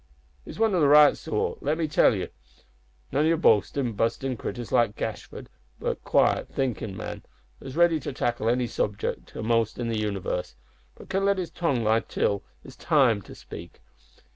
He's one o' the right sort, let me tell ye. None o' your boastin', bustin' critters, like Gashford, but a quiet, thinkin' man, as is ready to tackle any subject a'most in the univarse, but can let his tongue lie till it's time to speak.